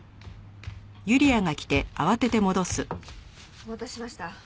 お待たせしました。